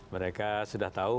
mereka sudah tahu